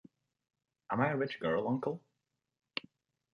Am I a rich girl, uncle?